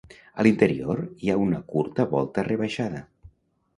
A l'interior hi ha una curta volta rebaixada.